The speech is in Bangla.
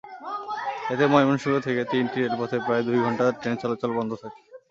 এতে ময়মনসিংহ থেকে তিনটি রেলপথে প্রায় দুই ঘণ্টা ট্রেন চলাচল বন্ধ থাকে।